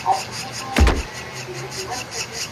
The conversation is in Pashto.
څه وخت ملي سوداګر شامپو هیواد ته راوړي؟